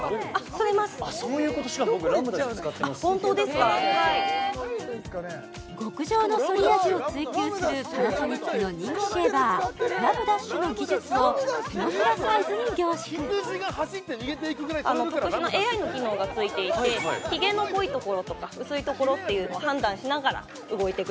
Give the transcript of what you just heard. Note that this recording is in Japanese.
そういうことしかも僕あっ本当ですか極上の剃り味を追求するパナソニックの人気シェーバーラムダッシュの技術を手のひらサイズに凝縮特殊なＡＩの機能が付いていてヒゲの濃いところとか薄いところっていうのを判断しながら動いてくれるタイプです